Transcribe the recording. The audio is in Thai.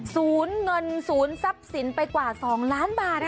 สูญเงินสูญทรัพย์สินไปกว่า๒ล้านบาทอ่ะ